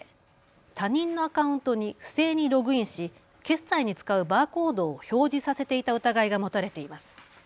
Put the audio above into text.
他人のアカウントに不正にログインし決済に使うバーコードを表示させていた疑いが持たれています。